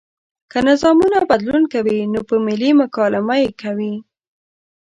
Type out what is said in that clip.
که نظامونه بدلون کوي نو په ملي مکالمه یې کوي.